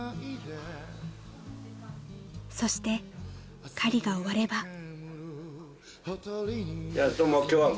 ［そして狩りが終われば］